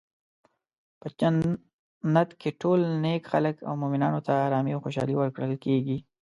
په جنت کې ټول نیک خلک او مومنانو ته ارامي او خوشحالي ورکړل کیږي.